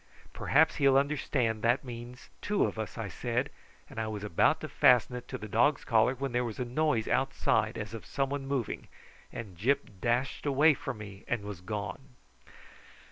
"Perhaps he will understand that means two of us," I said; and I was about to fasten it to the dog's collar, when there was a noise outside as of some one moving, and Gyp dashed away from me and was gone.